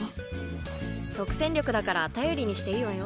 即戦力だから頼りにしていいわよ。